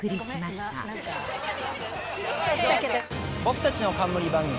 僕たちの冠番組。